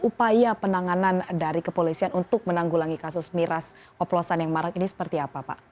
upaya penanganan dari kepolisian untuk menanggulangi kasus miras oplosan yang marak ini seperti apa pak